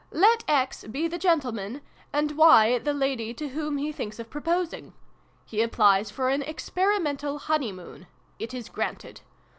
" Let X be the gentleman, and Kthe lady to whom he thinks of proposing. He applies for an Experimental Honeymoon. It is granted.